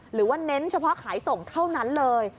หรือว่าเน้นเฉพาะขายส่งเท่านั้นเลย